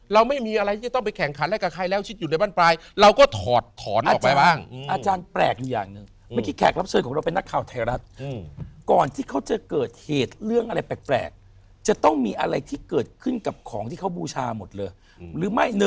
เราไม่มีอะไรที่จะไปเข้นคะแล้วกับใคร